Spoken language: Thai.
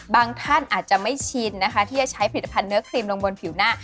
ท่านอาจจะไม่ชินนะคะที่จะใช้ผลิตภัณฑ์เนื้อครีมลงบนผิวหน้า